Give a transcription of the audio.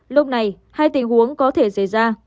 lúc này hai tình huống có thể xảy ra